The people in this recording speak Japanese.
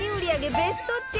ベスト１０